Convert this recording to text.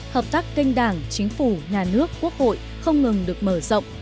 hợp tác kênh đảng chính phủ nhà nước quốc hội không ngừng được mở rộng